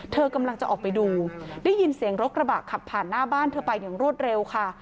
เธอกำลังจะออกไปดูได้ยินเสียงรถกระบะขับผ่านหน้าบ้านเธอไปอย่างรวดเร็วค่ะ